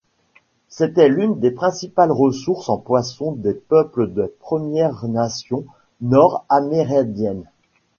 C'était l'une des principales ressources en poisson des peuples des Premières nations nord-amérindiennes.